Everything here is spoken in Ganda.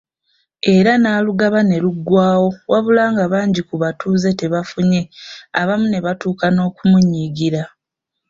Era n'alugaba ne luggwaawo wabula nga bangi ku batuuze tebafunye abamu ne batuuka n’okumunyigira.